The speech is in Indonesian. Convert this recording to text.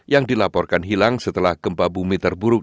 yang dilaporkan hilang setelah kempa bumi terburuk